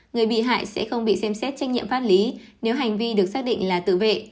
người bị hại sẽ không bị xem xét trách nhiệm pháp lý nếu hành vi được xác định là tự vệ